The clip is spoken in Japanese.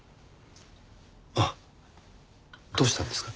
あっどうしたんですか？